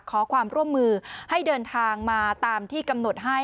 ขอความร่วมมือให้เดินทางมาตามที่กำหนดให้